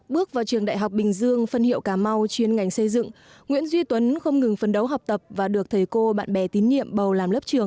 bước vào trường đại học bình dương phân hiệu cà mau chuyên ngành xây dựng nguyễn duy tuấn không ngừng phân đấu học tập và được thầy cô bạn bè tín nhiệm bầu làm lớp trường